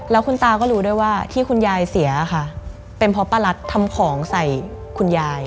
แล้วคุณตาก็รู้ด้วยว่าที่คุณยายเสียค่ะเป็นเพราะป้ารัสทำของใส่คุณยาย